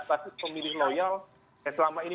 basis pemilih loyal yang selama ini